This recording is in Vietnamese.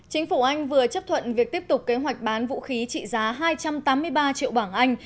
chính phủ anh vừa chấp thuận việc tiếp tục kế hoạch bán vũ khí trị giá hai trăm tám mươi ba triệu bảng anh